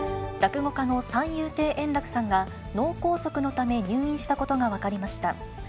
落語家の三遊亭円楽さんが脳梗塞のため入院したことが分かりました。